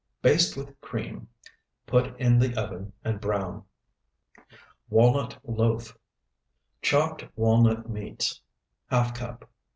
Baste with cream, put in the oven, and brown. WALNUT LOAF Chopped walnut meats, ½ cup.